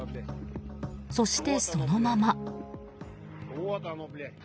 そしてそのまま。